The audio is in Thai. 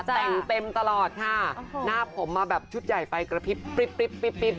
แต่งเต็มตลอดค่ะหน้าผมมาแบบชุดใหญ่ไฟกระพริบ